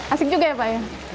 asik juga ya pak